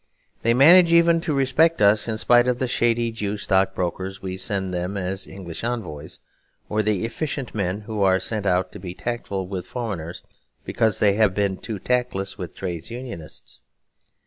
They manage even to respect us in spite of the shady Jew stockbrokers we send them as English envoys, or the 'efficient' men, who are sent out to be tactful with foreigners because they have been too tactless with trades unionists.